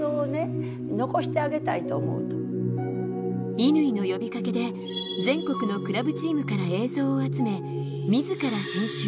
乾の呼びかけで全国のクラブチームから映像を集め、自ら編集。